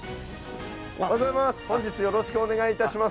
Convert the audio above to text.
おはようございます！